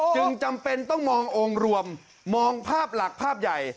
จำเป็นต้องมององค์รวมมองภาพหลักภาพใหญ่